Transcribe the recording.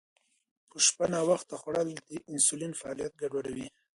په شپه ناوخته خوړل د انسولین فعالیت ګډوډوي.